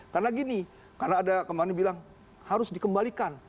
karena gini karena ada yang kemarin bilang harus dikembalikan